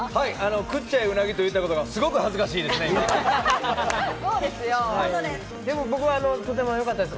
食っちゃえ鰻と言ったことが、すごく恥ずかしいです。